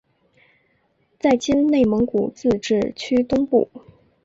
在今内蒙古自治区东部。